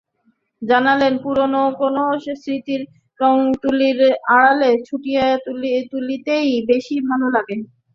জানালেন, পুরোনো কোনো স্মৃতিকে রংতুলির আঁচড়ে ফুটিয়ে তুলতেই বেশি ভালো লাগে তাঁর।